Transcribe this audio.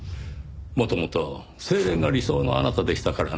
元々清廉が理想のあなたでしたからねぇ。